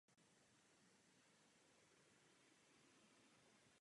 V parlamentu usedl do frakce Klub českých agrárníků.